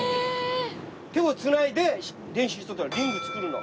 手を繋いで練習しとったリング作るの。